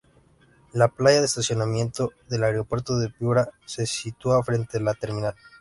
La playa de estacionamiento del aeropuerto de Piura se sitúa frente a la terminal.